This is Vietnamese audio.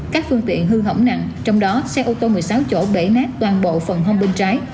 các phương tiện hư hỏng nặng trong đó xe ô tô một mươi sáu chỗ bể nát toàn bộ phần hông bên trái